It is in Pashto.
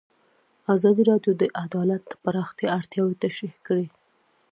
ازادي راډیو د عدالت د پراختیا اړتیاوې تشریح کړي.